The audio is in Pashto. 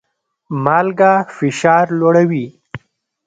مالګه فشار لوړوي